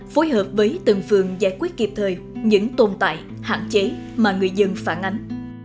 phối hợp với từng phường giải quyết kịp thời những tồn tại hạn chế mà người dân phản ánh